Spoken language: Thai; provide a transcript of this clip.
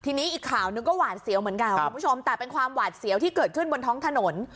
ทีนี้อีกข่าวหนึ่งก็หวาดเสียวเหมือนกันคุณผู้ชมแต่เป็นความหวาดเสียวที่เกิดขึ้นบนท้องถนน